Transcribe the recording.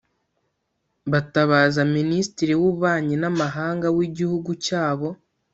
batabaza Minisitiri w’Ububanyi n’Amahanga w’igihugu cyabo